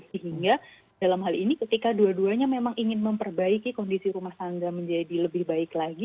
sehingga dalam hal ini ketika dua duanya memang ingin memperbaiki kondisi rumah tangga menjadi lebih baik lagi